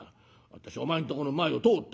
私お前んとこの前を通った。